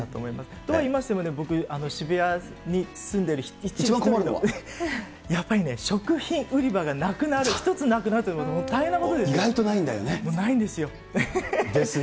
といいましても、僕、渋谷に住んでいて一番困るのは、やっぱりね、食品売り場がなくなる、１つなくなるっていうのは大変なんですよね。